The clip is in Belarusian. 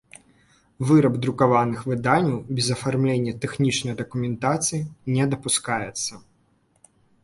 Выраб друкаваных выданняў без афармлення тэхнiчнай дакументацыi не дапускаецца.